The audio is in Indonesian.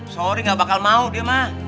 sorry gak bakal mau dia mak